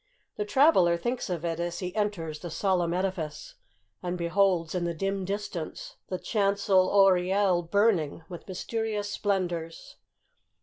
The traveler thinks of it as he enters the solemn edifice, and beholds in the dim distance the chancel oriel burn ing with mysterious splendors.